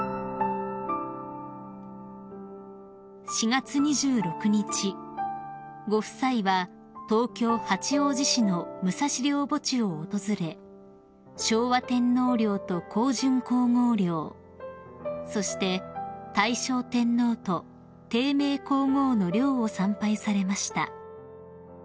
［４月２６日ご夫妻は東京八王子市の武蔵陵墓地を訪れ昭和天皇陵と香淳皇后陵そして大正天皇と貞明皇后の陵を参拝されました］